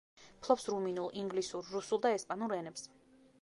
ფლობს რუმინულ, ინგლისურ, რუსულ და ესპანურ ენებს.